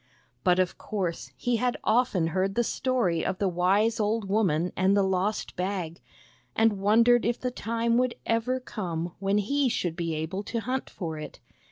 But of course he had often heard the story of the wise old woman and the lost Bag, and wondered if the time would ever come when he should be able to hunt for it.